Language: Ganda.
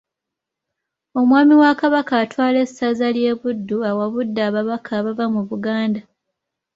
Omwami wa Kabaka atwala essaza ly’e Buddu awabudde ababaka abava mu Buganda .